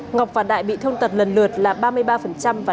ngọc và đại bị thông tật lần lượt là ba mươi ba và năm mươi